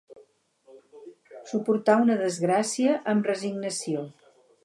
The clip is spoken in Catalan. Suportar una desgràcia amb resignació.